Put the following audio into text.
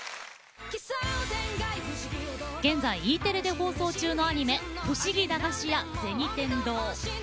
現在Ｅテレで放送中のアニメ「ふしぎ駄菓子屋銭天堂」。